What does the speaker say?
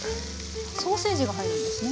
ソーセージが入るんですね。